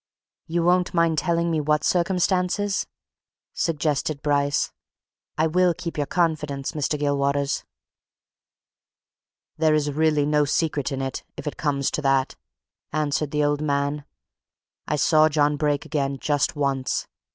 "You won't mind telling me what circumstances?" suggested Bryce. "I will keep your confidence, Mr. Gilwaters." "There is really no secret in it if it comes to that," answered the old man. "I saw John Brake again just once.